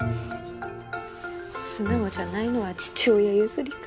素直じゃないのは父親譲りか。